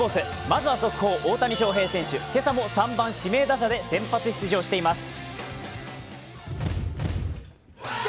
まずは速報、大谷翔平選手、今朝も３番・指名打者で先発出場しています。